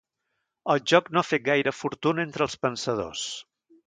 El joc no ha fet gaire fortuna entre els pensadors.